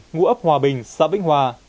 ngũ ấp hòa bình sao vĩnh hòa